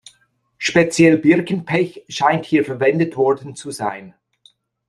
Speziell Birkenpech scheint hier verwendet worden zu sein.